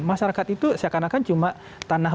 masyarakat itu seakan akan cuma tanah